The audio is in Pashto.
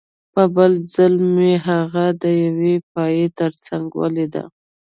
په بل ځل مې هغه د یوې پایې ترڅنګ ولیده